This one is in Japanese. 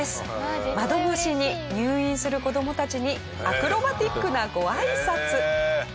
窓越しに入院する子どもたちにアクロバティックなごあいさつ。